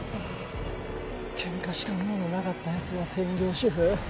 ケンカしか能のなかったヤツが専業主夫？